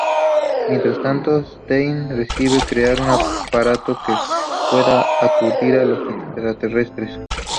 Mientras tanto, Stein decide crear un aparato que pueda aturdir a los extraterrestres.